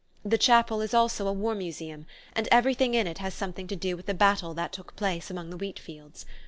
The chapel is also a war museum, and everything in it has something to do with the battle that took place among the wheat fields.